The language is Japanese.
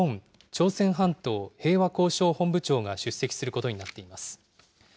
朝鮮半島平和交渉本部長が出席することになっています。